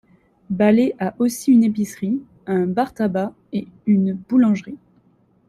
Ballée a aussi une épicerie, un bar-tabac et une boulangerie.